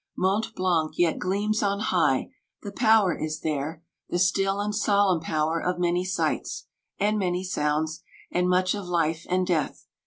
Mont Blanc yet gleams on nigh :— the power is there, The still and solemn power of many sights, And many sounds, and much of life and death.